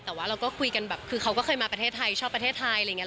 แต่ว่าเราก็คุยกันแบบคือเขาก็เคยมาประเทศไทยชอบประเทศไทยอะไรอย่างนี้